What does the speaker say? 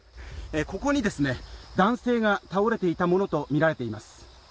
ここに男性が倒れていたものとみられています。